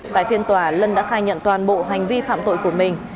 tại phiên tòa lân đã khai nhận toàn bộ hành vi phạm tội của mình